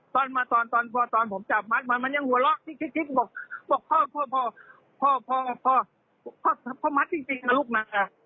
ตอนมาตอนพอตอนผมจับมัดมันยังหัวล็อกบอกพ่อพ่อมัดจริงนะลูกน่ะ